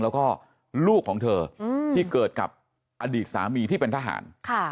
แล้วก็ลูกของเธอที่เกิดกับอดีตสามีที่เป็นทหาร